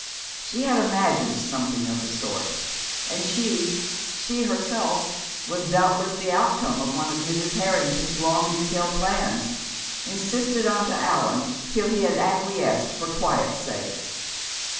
She had imagined something of the sort. And she she herself was doubtless the outcome of one of Mrs. Harrington's long detailed plans, insisted on to Allan till he had acquiesced for quiet's sake!